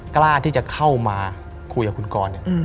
กล้าที่จะเข้ามาคุยกับคุณกรเนี่ย